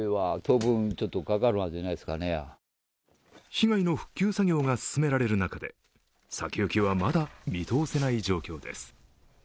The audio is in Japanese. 被害の復旧作業が進められる中で先行きはまだ見通せない状況です。